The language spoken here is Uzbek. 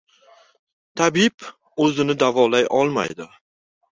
• Tabib o‘zini davolay olmaydi.